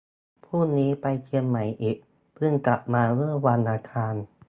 พรุ่งนี้ไปเชียงใหม่อีก เพิ่งกลับมาเมื่อวันอังคาร